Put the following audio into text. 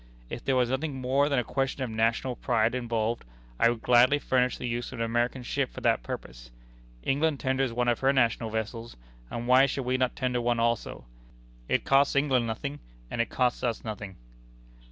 If there was nothing more than a question of national pride involved, I would gladly furnish the use of an American ship for that purpose. England tenders one of her national vessels, and why should we not tender one also? It costs England nothing, and it costs us nothing."